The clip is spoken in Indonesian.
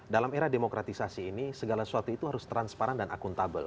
dalam era demokratisasi ini segala sesuatu itu harus transparan dan akuntabel